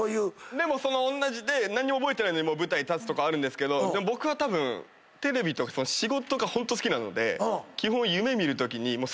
でもおんなじで何にも覚えてないのに舞台に立つとかあるんですけど僕はたぶんテレビとか仕事がホント好きなので基本夢見るときに。